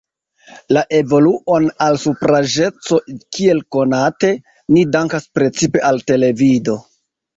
La evoluon al supraĵeco, kiel konate, ni dankas precipe al televido.